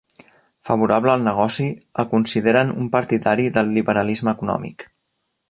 Favorable al negoci, el consideren un partidari del liberalisme econòmic.